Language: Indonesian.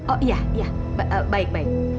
oh iya baik baik